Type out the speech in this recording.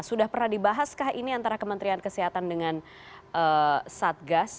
sudah pernah dibahaskah ini antara kementerian kesehatan dengan satgas